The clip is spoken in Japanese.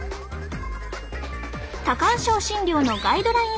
多汗症診療のガイドライン